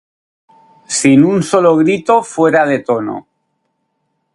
Sin un solo grito fuera de tono.